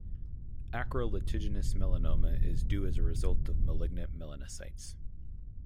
Acral lentiginous melanoma is due as a result of malignant melanocytes.